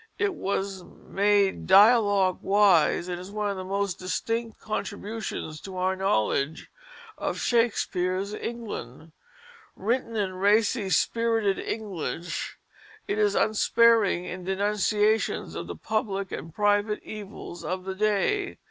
It was "made dialogue wise," and is one of the most distinct contributions to our knowledge of Shakespeare's England. Written in racy, spirited English, it is unsparing in denunciations of the public and private evils of the day.